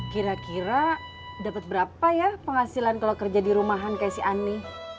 kira kira dapat berapa ya penghasilan kalau kerja di rumahan kayak si ani